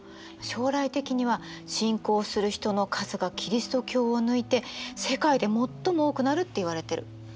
将来的には信仰する人の数がキリスト教を抜いて世界で最も多くなるっていわれてる。